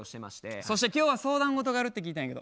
そして今日は相談事があるって聞いたんやけど。